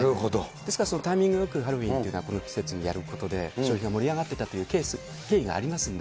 ですからそのタイミングよくハロウィーンをこの季節にやることで、消費が盛り上がっていたという経緯がありますんで。